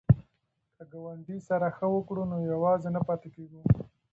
که ګاونډي سره ښه وکړو نو یوازې نه پاتې کیږو.